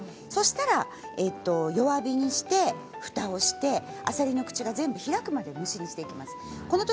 そうしたら弱火にしてふたをして、あさりの口が全部開くまで蒸し煮にしてください。